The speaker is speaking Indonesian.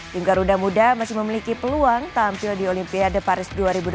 tim garuda muda masih memiliki peluang tampil di olimpiade paris dua ribu dua puluh